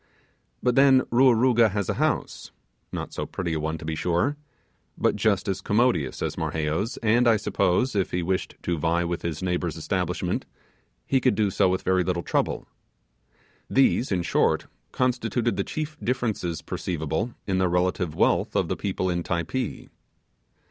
But then, Ruaruga has a house not so pretty a one, to be sure but just as commodious as Marheyo's; and, I suppose, if he wished to vie with his neighbour's establishment, he could do so with very little trouble. These, in short, constituted the chief differences perceivable in the relative wealth of the people in Typee.